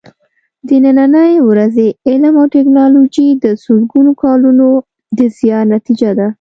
د نننۍ ورځې علم او ټېکنالوجي د سلګونو کالونو د زیار نتیجه ده.